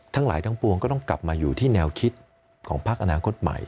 ทั้งหลายทั้งปวงก็ต้องกลับมาอยู่ที่แนวคิดของพักอนาคตใหม่